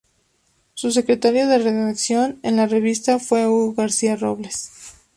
Su secretario de redacción en la revista fue Hugo García Robles.